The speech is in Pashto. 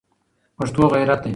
پښتو غیرت دی